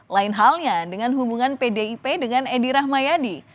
lain halnya dengan hubungan pdip dengan edi rahmayadi